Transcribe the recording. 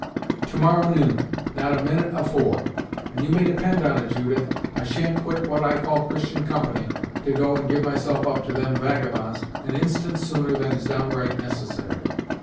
"To morrow noon; not a minute afore; and you may depend on it, Judith, I shan't quit what I call Christian company, to go and give myself up to them vagabonds, an instant sooner than is downright necessary.